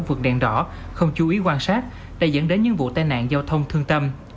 vượt đèn đỏ không chú ý quan sát đã dẫn đến những vụ tai nạn giao thông thương tâm